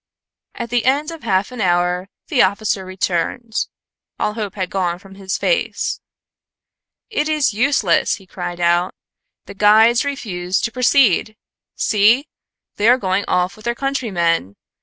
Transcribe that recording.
At the end of half an hour, the officer returned; all hope had gone from his face. "It is useless!" he cried out. "The guides refuse to proceed. See! They are going off with their countrymen!